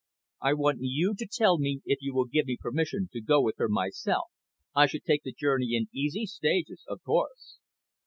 I want you to tell me if you will give me permission to go with her myself. I should take the journey in easy stages, of course."